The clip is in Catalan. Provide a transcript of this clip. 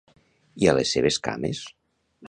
I a les seves cames?